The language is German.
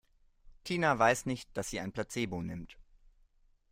Tina weiß nicht, dass sie ein Placebo nimmt.